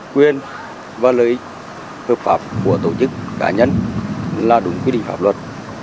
quyền và lợi ích hợp pháp của tổ chức cá nhân là đúng quy định pháp luật